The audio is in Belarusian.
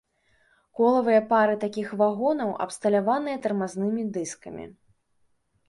Колавыя пары такіх вагонаў абсталяваныя тармазнымі дыскамі.